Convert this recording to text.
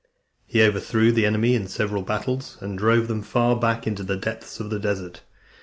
He overthrew the enemy in several battles, and drove them far back into the depths of the desert.